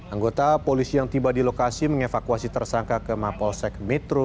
anggota polisi yang tiba di lokasi mengevakuasi tersangka ke mapolsek metro